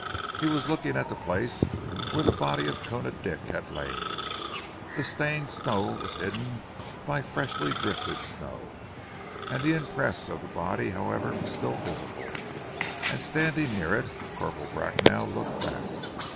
He was looking at the place where the body of Koona Dick had lain. The stained snow was hidden by freshly drifted snow, the impress of the body however was still visible, and standing near it, Corporal Bracknell looked back.